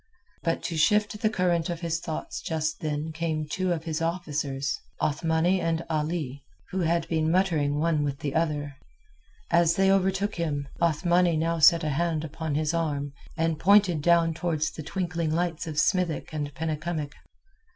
But to shift the current of his thoughts just then came two of his officers—Othmani and Ali, who had been muttering one with the other. As they overtook him, Othmani set now a hand upon his arm, and pointed down towards the twinkling lights of Smithick and Penycumwick.